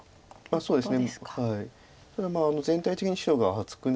そうなんですね。